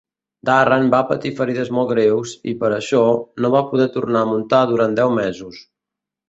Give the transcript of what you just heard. Darren va patir ferides molt greus i, per això, no va poder tornar a muntar durant deu mesos.